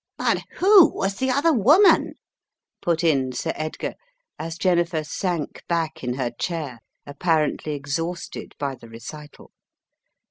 "But who was the other woman?" put in Sir Edgar, as Jennifer sank back in her chair, apparently exhausted by the recital.